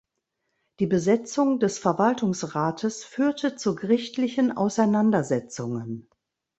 Die Besetzung des Verwaltungsrates führte zu gerichtlichen Auseinandersetzungen.